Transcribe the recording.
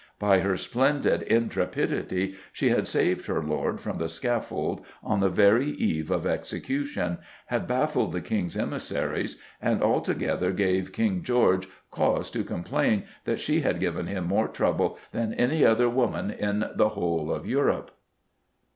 By her splendid intrepidity she had saved her lord from the scaffold on the very eve of execution, had baffled the King's emissaries, and altogether gave King George cause to complain that she had given him more trouble than "any other woman in the whole of Europe."